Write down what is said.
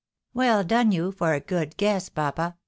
" Well done you for a good guess, papa